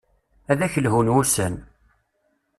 Ad ak-lhun wussan.